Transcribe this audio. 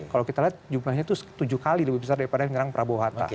kalau kita lihat jumlahnya itu tujuh kali lebih besar daripada menyerang prabowo hatta